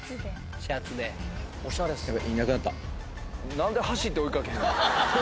何で走って追いかけへんの？